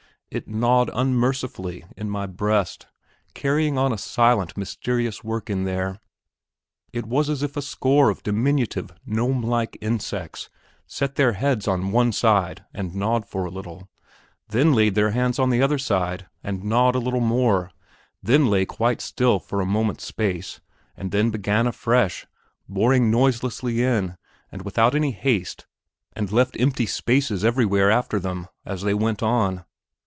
It gnawed unmercifully in my breast; carrying on a silent, mysterious work in there. It was as if a score of diminutive gnome like insects set their heads on one side and gnawed for a little, then laid their heads on the other side and gnawed a little more, then lay quite still for a moment's space, and then began afresh, boring noiselessly in, and without any haste, and left empty spaces everywhere after them as they went on....